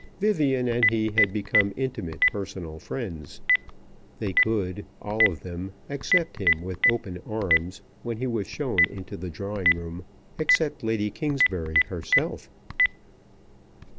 Vivian and he had become intimate personal friends. They could, all of them, accept him with open arms when he was shown into the drawing room, except Lady Kingsbury herself.